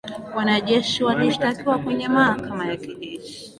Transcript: Wanajeshi walishtakiwa kwenye mahakama ya kijeshi